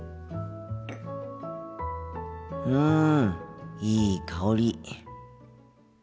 うんいい香り。